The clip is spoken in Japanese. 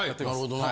はい。